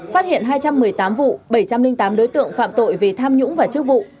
phát hiện hai trăm một mươi tám vụ bảy trăm linh tám đối tượng phạm tội về tham nhũng và chức vụ